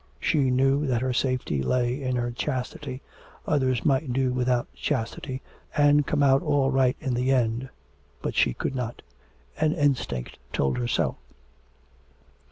She knew that her safety lay in her chastity, others might do without chastity, and come out all right in the end, but she could not: an instinct told her so.